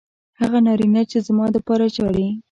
هغه نارینه چې زما دپاره ژاړي